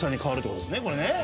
これね。